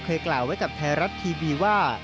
เคยกล่าวไว้กับแทรรัสทีพีว่า